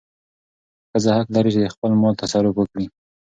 ښځه حق لري چې د خپل مال تصرف وکړي.